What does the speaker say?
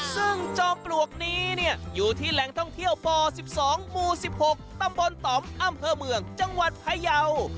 ซึ่งจอมปลวกนี้เนี่ยอยู่ที่แหล่งท่องเที่ยวป๑๒หมู่๑๖ตำบลต่อมอำเภอเมืองจังหวัดพยาว